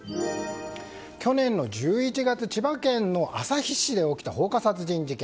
去年の１１月、千葉県の旭市で起きた放火殺人事件。